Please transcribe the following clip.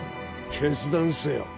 決断せよ。